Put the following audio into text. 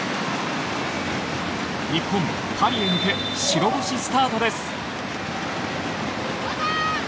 日本、パリへ向け白星スタートです。